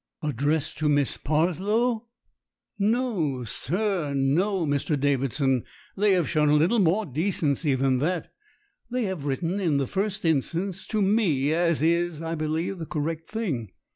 "Addressed to Miss Parslow?" "No, sir. No, Mr. Davidson. They have shown a THE MARRIAGE OF MIRANDA 41 little more decency than that. They have written in the first instance to me as is, I believe, the correct thing.